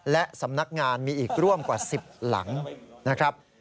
และสำนักงานมีอีกร่วมกว่า๑๐หลังนะครับ